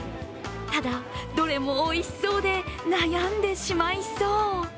ただ、どれもおいしそうで、悩んでしまいそう。